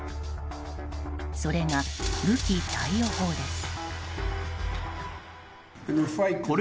それが武器貸与法です。